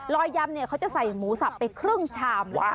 ลอยยำเขาจะใส่หมูสับไปครึ่งชาม